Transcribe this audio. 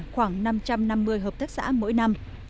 khoảng năm trăm năm mươi hợp tác xã mỗi năm